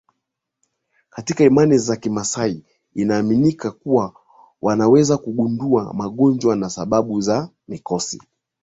katika imani za kimaasai inaaminika kuwa wanaweza kugundua magonjwa na sababu za mikosi